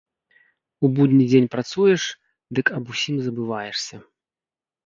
У будні дзень працуеш, дык аб усім забываешся.